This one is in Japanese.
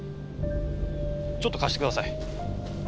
ちょっと貸して下さい。